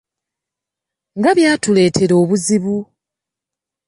Nga bwatuleetera obuzibu!